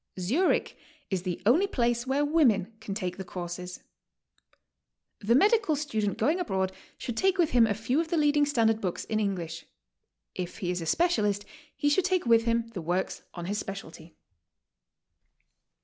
Zurich is the only place where women can take the courses. The medical student going abroad should take with him a few of the leading standard books in English; if he is a specialist, he should take with him the works on his specialty.